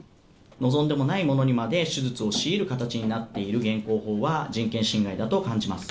望んでもないものにまで、手術を強いる形になっている現行法は人権侵害だと感じます。